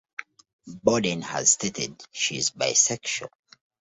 Borden has stated she is bisexual.